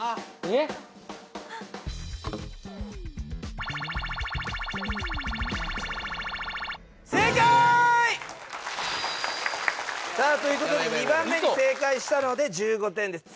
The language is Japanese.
えっ？さあということで２番目に正解したので１５点です